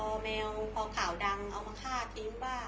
พอแมวพอข่าวดังเอามาฆ่าทิ้งว่า